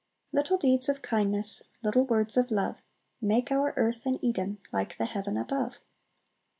"Little deeds of kindness, Little words of love, Make our earth an Eden, Like the heaven above."